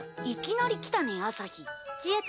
いきなりきたね朝陽。